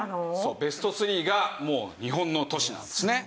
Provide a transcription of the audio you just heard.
ベスト３がもう日本の都市なんですね。